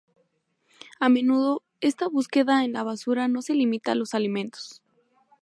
A menudo, esta búsqueda en la basura no se limita a los alimentos.